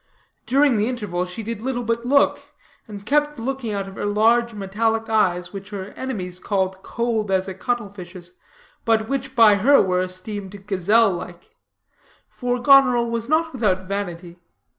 During the interval she did little but look, and keep looking out of her large, metallic eyes, which her enemies called cold as a cuttle fish's, but which by her were esteemed gazelle like; for Goneril was not without vanity.